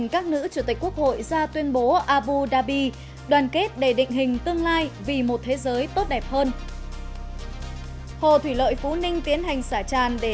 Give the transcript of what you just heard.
các bạn hãy đăng ký kênh để ủng hộ kênh của chúng mình nhé